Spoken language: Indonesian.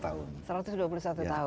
satu ratus dua puluh satu tahun